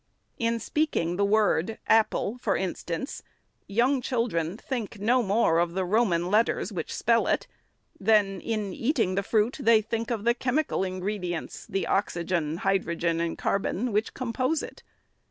In speak ing the word " apple," for instance, young children think no more of the Roman letters which spell it, than, in eat ing the fruit, they think of the chemical ingredients — the oxygen, hydrogen, and carbon — which compose it.